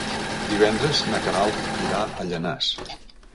Divendres na Queralt irà a Llanars.